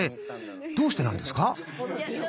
どうしてなんですか？